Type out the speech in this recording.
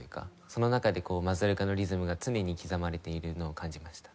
その中で『マズルカ』のリズムが常に刻まれているのを感じました。